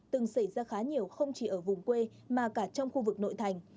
từng xảy ra khá nhiều không chỉ ở vùng quê mà cả trong khu vực nội thành